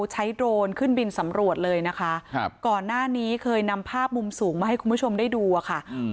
โดรนขึ้นบินสำรวจเลยนะคะครับก่อนหน้านี้เคยนำภาพมุมสูงมาให้คุณผู้ชมได้ดูอะค่ะ